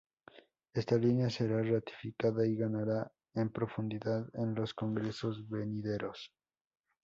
Esta línea será ratificada y ganará en profundidad en los congresos venideros.